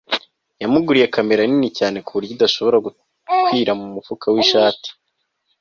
yamuguriye kamera nini cyane kuburyo idashobora gukwira mu mufuka w'ishati